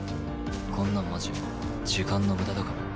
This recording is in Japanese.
こんなんマジ時間の無駄だから。